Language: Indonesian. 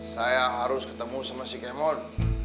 saya harus ketemu sama si kemon